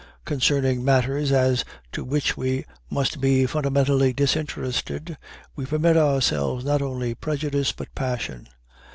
Concerning matters as to which we must be fundamentally disinterested, we permit ourselves not only prejudice but passion.